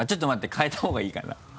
変えたほうがいいかな？